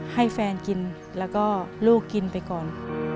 ให้แฟนกินแล้วก็ลูกกินไปก่อน